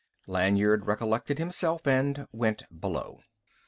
Lanyard recollected himself, and went below.